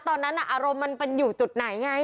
ตอนนั้นอารมณ์มันเป็นอยู่จุดไหนไง